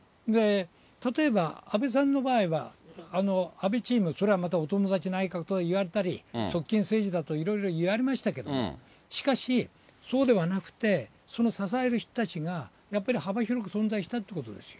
例えば安倍さんの場合は、安倍チーム、それはまたお友達内閣とかいわれたり、側近政治だといろいろ言われましたけどね、しかしそうではなくて、その支える人たちが、やっぱり幅広く存在したということですよ。